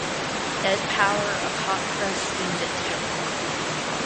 Ed Power of "Hot Press" deemed it "terrifying".